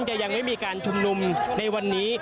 จะยังไม่มีการชุมนุมในวันนี้